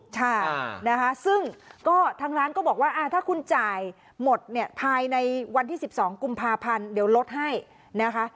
ค่ะนะคะซึ่งก็ทางร้านก็บอกว่าถ้าคุณจ่ายหมดเนี่ยภายในวันที่๑๒กุมภาพันธ์เดี๋ยวลดให้นะคะ